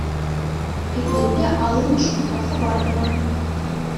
Эпир те аллӑмӗш хута хӑпартӑмӑр.